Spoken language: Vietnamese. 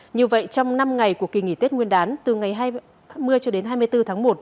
như vậy trong năm ngày của kỳ nghỉ tết nguyên đán từ ngày hai mươi cho đến hai mươi bốn tháng một